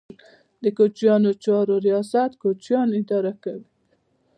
د کوچیانو چارو ریاست کوچیان اداره کوي